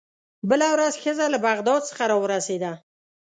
بله ورځ ښځه له بغداد څخه راورسېده.